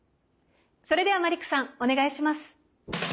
それではマリックさんお願いします。